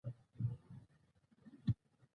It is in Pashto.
مېلمه ته د رڼا یو څرک شه.